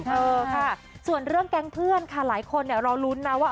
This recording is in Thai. เออค่ะส่วนเรื่องแก๊งเพื่อนค่ะหลายคนเนี่ยรอลุ้นนะว่า